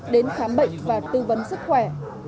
đến khám bệnh và tư vấn sức khỏe